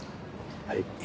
はい。